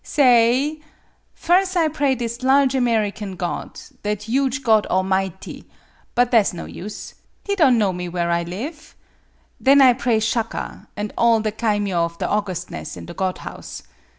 " Sa ay ! Firs' I pray his large American God, that huge Godamighty, but tha' 's no use. He don' know me where I live. MADAME BUTTERFLY 35 Then I pray Shaka an' all the kaimyo of the augustnesses in the god house.